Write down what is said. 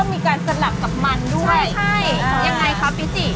สำหรับกับมันด้วยใช่ยังไงครับฟิจิ